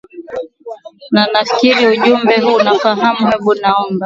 na nafikiri ujumbe huu unaufahamu hebu naomba